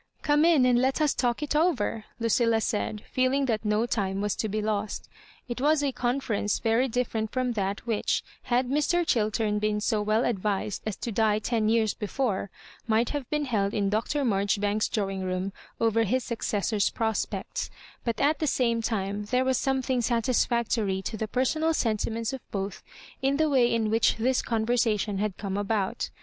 "Come in and let us talk it over," Lnoilla said, feeling that no time was to be lost It was a conference very different from that whidi, had Mr. Ohiltem been so well advised as to die ten years before, might have been held in Dr. Marjoribanks's drawing room over his saooessor's prospects ; but at the same time there was some thing satisfoctory to the personal sentiments of both in the way in which this conversation bad come about.